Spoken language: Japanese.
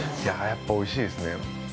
やっぱりおいしいですね。